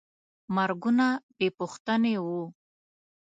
مرګونه بېپوښتنې وو.